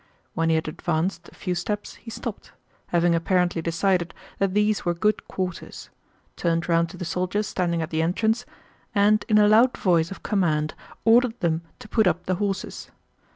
When he had advanced a few steps he stopped, having apparently decided that these were good quarters, turned round to the soldiers standing at the entrance, and in a loud voice of command ordered them to put up the horses.